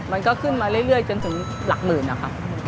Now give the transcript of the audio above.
มันก็ขึ้นมาเรื่อยจนถึงหลักหมื่นนะคะ